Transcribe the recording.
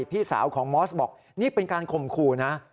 พี่สาวของมอสบอกนี่เป็นการข่มขู่นะ